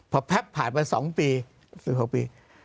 พอแพบผ่านมา๒ปี